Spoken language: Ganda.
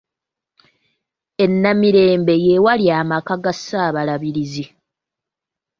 E Namirembe ye wali amaka ga Ssaabalabirizi.